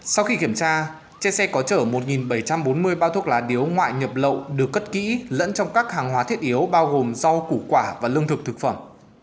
sau khi kiểm tra trên xe có chở một bảy trăm bốn mươi bao thuốc lá điếu ngoại nhập lậu được cất kỹ lẫn trong các hàng hóa thiết yếu bao gồm rau củ quả và lương thực thực phẩm